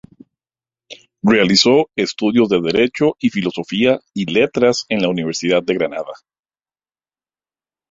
Realizó estudios de derecho y filosofía y letras en la Universidad de Granada.